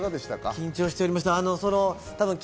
緊張してました。